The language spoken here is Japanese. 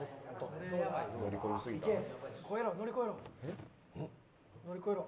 乗り越えろ。